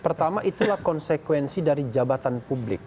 pertama itulah konsekuensi dari jabatan publik